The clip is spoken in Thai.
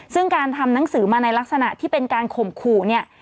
ซึ่งการทำหนังสือมาในลักษณะที่เป็นการข่มขู่เนี่ย